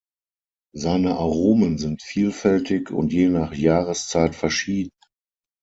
Seine Aromen sind vielfältig und je nach Jahreszeit verschieden.